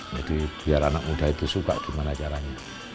jadi biar anak muda itu suka dimana caranya